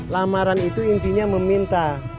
lamaran itu intinya memimpin